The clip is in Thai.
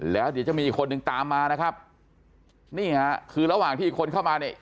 แล้วเดี๋ยวจะมีอีกคนนึงตามมานะครับนี่ฮะคือระหว่างที่คนเข้ามาเนี่ย